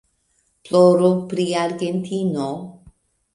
Ploru pri Argentino!